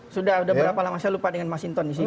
sudah berapa lama saya lupa dengan mas hinton disini